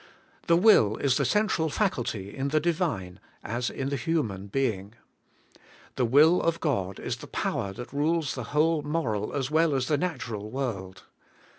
The will is the central faculty in the Divine as in the human being. The will of God is the power that rules the whole moral as well as the natural world.